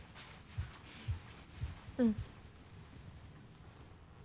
うん。